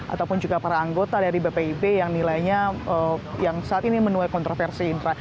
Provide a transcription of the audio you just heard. ataupun juga para anggota dari bpib yang nilainya yang saat ini menuai kontroversi indra